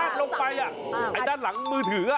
วาดลงไปอ่ะไอ้ด้านหลังมือถือ